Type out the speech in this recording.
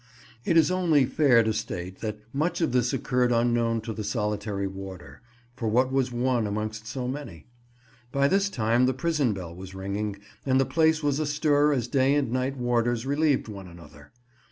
(It is only fair to state that much of this occurred unknown to the solitary warder, for what was one amongst so many?) By this time the prison bell was ringing, and the place was astir as day and night warders relieved one another.